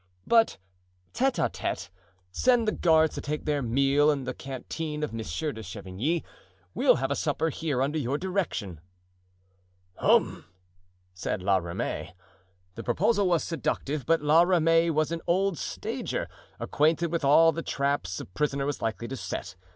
"But tete a tete. Send the guards to take their meal in the canteen of Monsieur de Chavigny; we'll have a supper here under your direction." "Hum!" said La Ramee. The proposal was seductive, but La Ramee was an old stager, acquainted with all the traps a prisoner was likely to set.